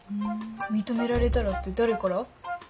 認められたらって誰から？